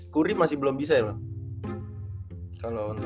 curry masih belum bisa ya loh